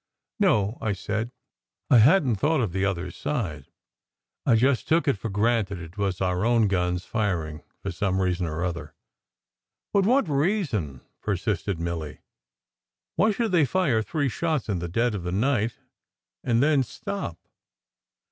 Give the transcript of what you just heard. "No," I said. "I hadn t thought of the other side. I just took it for granted it was our own guns firing for some reason or other." "But what reason?" persisted Milly. "Why should they fire three shots in the dead of the night, and then stop?"